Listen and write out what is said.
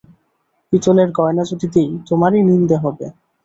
পিতলের গয়না যদি দিই তোমারই নিন্দে হবে।